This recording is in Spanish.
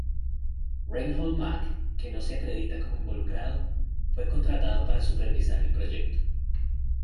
Reinhold Mack, que no se acredita como involucrado, fue contratado para supervisar el proyecto.